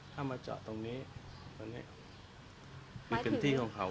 ถ้ามาเจาะตรงนี้อยู่เป็นที่ของเขา